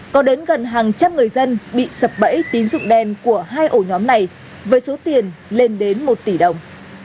có đến gần hàng trăm người dân bị sập bẫy tín dụng đen của hai ổ nhóm này với số tiền lên đến một tỷ đồng